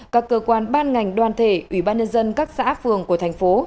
các cơ quan ban ngành đoàn thể ủy ban nhân dân các xã phường của thành phố